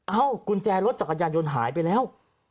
กุญแจรถจักรยานยนต์หายไปแล้ว